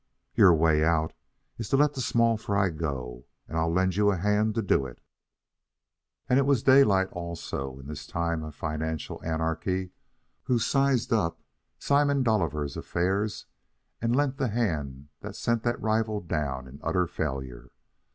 Your way out is to let the small fry go, and I'll lend you a hand to do it." And it was Daylight, also, in this time of financial anarchy, who sized up Simon Dolliver's affairs and lent the hand that sent that rival down in utter failure.